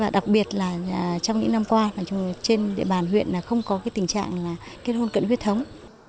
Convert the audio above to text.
đặc biệt là trong những năm qua trên địa bàn huyện không có tình trạng là kết hôn cận huyết thống